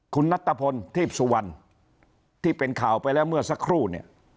คุณนัตตะพลทีพสุวรรณที่เป็นข่าวไปแล้วเมื่อสักครู่เนี่ย